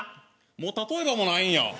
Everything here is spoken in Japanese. もう例えばもないんやん。